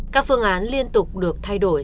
các phương án liên tục được thay đổi